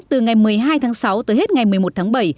từ ngày một mươi hai tháng sáu tới hết ngày một mươi một tháng bảy